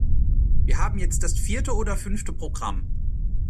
Wir haben jetzt das vierte oder fünfte Programm.